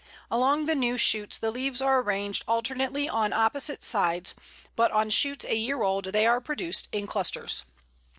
Along the new shoots the leaves are arranged alternately on opposite sides, but on shoots a year old they are produced in clusters.